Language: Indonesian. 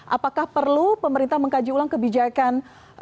apakah perlu pemerintah mengkaji ulang kebijakan